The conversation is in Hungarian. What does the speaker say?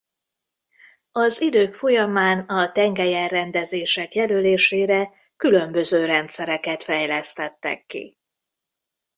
Az idők folyamán a tengelyelrendezések jelölésére különböző rendszereket fejlesztettek ki.